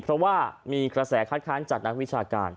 เพราะว่ามีกระแสคัดค้านจากนักวิชาการ